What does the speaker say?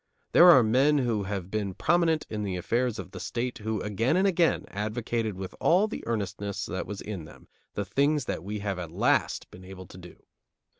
There are men who have been prominent in the affairs of the State who again and again advocated with all the earnestness that was in them the things that we have at last been able to do.